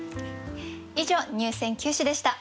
以上入選九首でした。